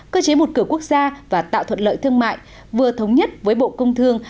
cơ chế một cửa quốc gia và tạo thuận lợi thương mại vừa thống nhất với bộ công thương